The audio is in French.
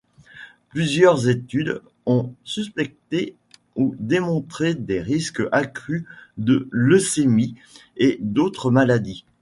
Plusieurs études ont suspecté ou démontré des risques accru de leucémie et d'autres maladies.